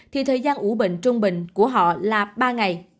thì thời gian ủ bệnh trung bình của họ là ba ngày